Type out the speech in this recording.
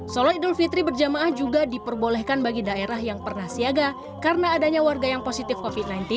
sholat idul fitri berjamaah juga diperbolehkan bagi daerah yang pernah siaga karena adanya warga yang positif covid sembilan belas